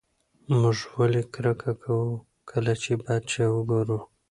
موږ ولې کرکه کوو کله چې بد شی وګورو؟